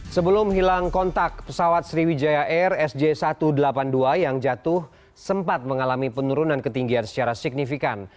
sebelum hilang kontak pesawat sriwijaya air sj satu ratus delapan puluh dua yang jatuh sempat mengalami penurunan ketinggian secara signifikan